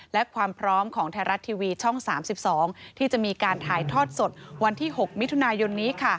และความพร้อมของไทยรัฐทีวีช่อง๓๒ที่จะมีการถ่ายทอดสดวันที่๖มิถุนายนนี้